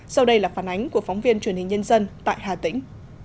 sau đây là phản ánh của phóng viên truyền hình nhân dân tại hà tĩnh